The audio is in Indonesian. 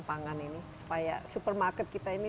pangan ini supaya supermarket kita ini